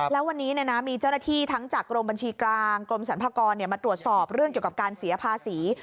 แล้ววันนี้มีเจ้าหน้าที่ทั้งจากกรมบัญชีกลางกรมสรรพากรมาตรวจสอบเรื่องเกี่ยวกับการเสียภาษี